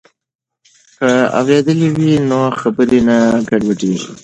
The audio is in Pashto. که اورېدل وي نو خبرې نه ګډوډیږي.